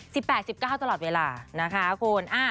สิบแปดสิบเก้าตลอดเวลานะคะคุณ